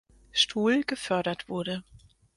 Stuhl gefördert wurde.